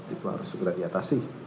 itu harus segera diatasi